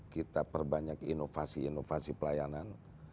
kita perbanyak inovasi inovasi pelayanan